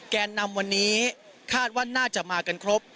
แกนนำวันนี้คาดว่าน่าจะมากันครบ